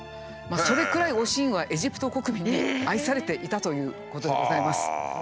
それくらい「おしん」はエジプト国民に愛されていたということでございます。